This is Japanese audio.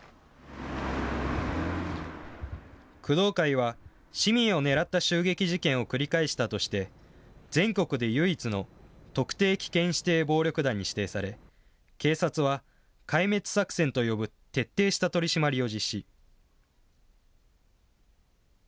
工藤会は、市民を狙った襲撃事件を繰り返したとして、全国で唯一の特定危険指定暴力団に指定され、警察は、壊滅作戦と呼ぶ徹底した取締りを実施。